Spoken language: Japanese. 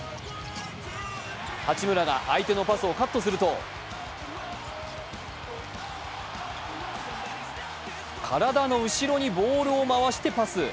八村が相手のパスをカットすると、体の後ろにボールを回してパス。